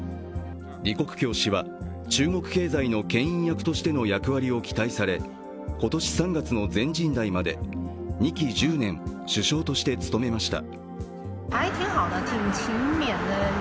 李克強氏は中国経済のけん引役としての役割を期待され今年３月の全人代まで２期１０年、首相として務めました。